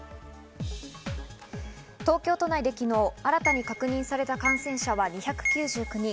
東京都内で昨日新たに確認された感染者は２９９人。